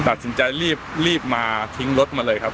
ตัดสินใจรีบมาทิ้งรถมาเลยครับ